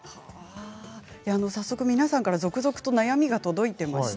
皆さんから続々とお悩みが届いています。